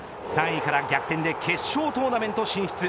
３位から逆転で決勝トーナメント進出。